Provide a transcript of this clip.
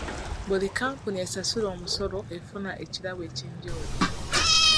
Buli kkampuni esasula omusolo efuna ekirabo eky'enjawulo.